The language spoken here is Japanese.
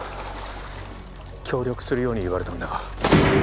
協力するように言われたんだが。